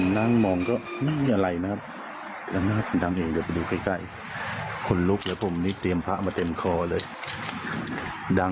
หรวมฝนลุกร้านนาศอยู่นี่ตอนกลาง